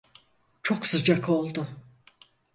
Çok sıcak oldu.